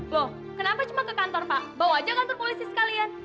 loh kenapa cuma ke kantor pak bawa aja kantor polisi sekalian